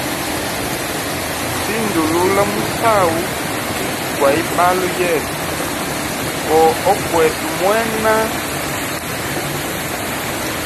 Sindulula musau gwa ibalo yetu ko wokwete mwena.